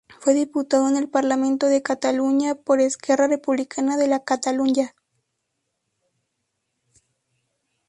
Fue diputado en el Parlamento de Cataluña por Esquerra Republicana de Catalunya.